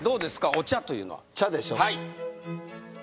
お茶というのは茶でしょ？